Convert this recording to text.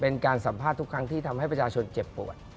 เป็นการสัมภาษณ์ทุกครั้งที่ทำให้ประชาชนเจ็บปวด